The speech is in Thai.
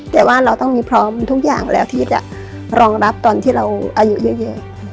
แต่ว่าเราต้องมีพร้อมทุกอย่างแล้วที่จะรองรับตอนที่เราอายุเยอะ